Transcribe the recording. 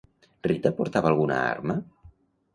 Rita portava alguna arma?